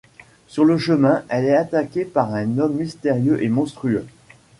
Sur le chemin, elle est attaquée par un homme mystérieux et monstrueux.